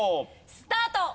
スタート！